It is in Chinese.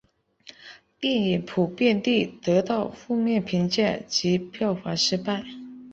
电影普遍地得到负面评价及票房失败。